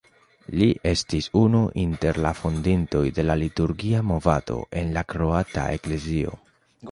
Li estis unu inter la fondintoj de la liturgia movado en la kroata Eklezio.